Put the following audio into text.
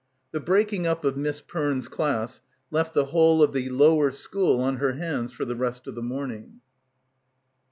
The breaking up of Miss Perne's class left the whole of the lower school on her hands for the rest of the morning.